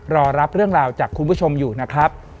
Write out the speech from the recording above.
รอรับเรื่องราวจากคุณผู้ชมอยู่นะครับ